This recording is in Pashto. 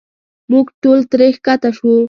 موږ ټول ترې ښکته شو.